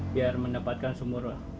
biar mendapatkan sumur